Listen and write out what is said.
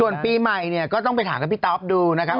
ส่วนปีใหม่เนี่ยก็ต้องไปถามกับพี่ต๊อปดูนะครับ